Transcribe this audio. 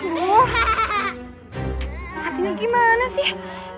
matinya gimana sih